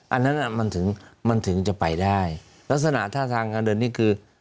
อันนั้นมันถึงมันถึงจะไปได้ลักษณะท่าทางการเดินนี่คือ